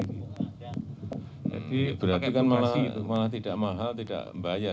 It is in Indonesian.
berarti kan malah tidak mahal tidak membayar